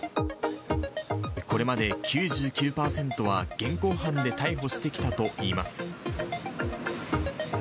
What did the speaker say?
これまで９９％は現行犯で逮捕してきたといいます。